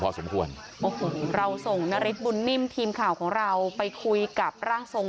โอ้โหเราส่งนฤทธบุญนิ่มทีมข่าวของเราไปคุยกับร่างทรง